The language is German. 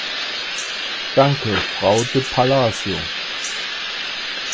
Danke, Frau de Palacio.